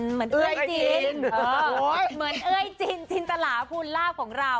เหมือนเอ้ยจินจินตลาพูนลาบของเรา